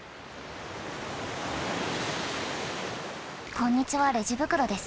こんにちはレジ袋です。